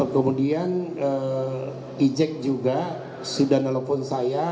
kemudian ejek juga sudah nelfon saya